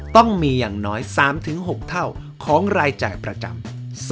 ต้องมีอย่างน้อย๓๖เท่าของรายจ่ายประจำ